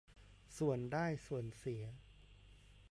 ส่วนได้ส่วนเสีย